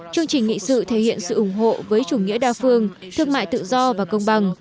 chương trình nghị sự thể hiện sự ủng hộ với chủ nghĩa đa phương thương mại tự do và công bằng